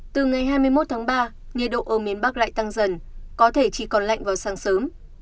từ ngày hai mươi một tháng ba nhiệt độ ở miền bắc lại tăng dần có thể chỉ còn lạnh vào sáng sớm